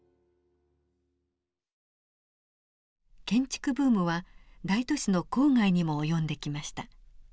建築ブームは大都市の郊外にも及んできました。